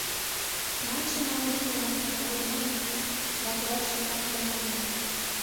Малыше марийжым помыжалташ огыл манын, ватыжат шыпрак почаҥын.